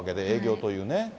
営業というね。